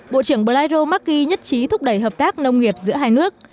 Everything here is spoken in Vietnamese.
bộ trưởng blairo margy nhất trí thúc đẩy hợp tác nông nghiệp giữa hai nước